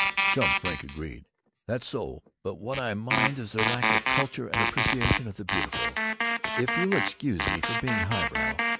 Chum Frink agreed, "That's so. But what I mind is their lack of culture and appreciation of the Beautiful if you'll excuse me for being highbrow.